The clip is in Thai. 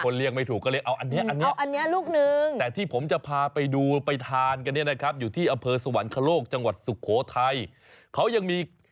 นี่ฉันไม่ได้เรียกนะฉันบอกเอาอันนี้